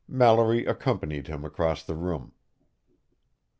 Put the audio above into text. Mallory accompanied him across the room.